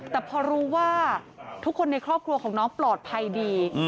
แต่พอรู้ว่าทุกคนในครอบครัวของน้องปลอดภัยดี